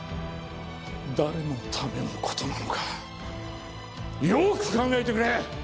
誰のためのことなのかよく考えてくれ！